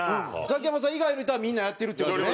ザキヤマさん以外の人はみんなやってるって事ね。